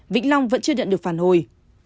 vĩnh long vẫn chưa nhận được phản hồi